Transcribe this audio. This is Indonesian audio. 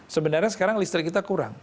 sebenarnya sekarang listrik kita kurang